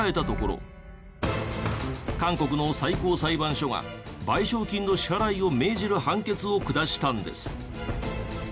韓国の最高裁判所が賠償金の支払いを命じる判決を下したんです。